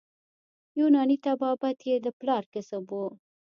یوناني طبابت یې د پلار کسب وو.